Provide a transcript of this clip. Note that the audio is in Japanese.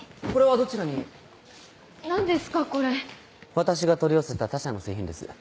私が取り寄せた他社の製品です。